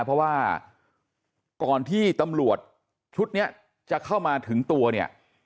เพราะว่าก่อนที่ตำรวจชุดนี้จะเข้ามาถึงตัวเนี่ย